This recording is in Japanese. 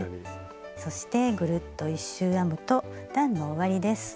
そしてぐるっと１周編むと段の終わりです。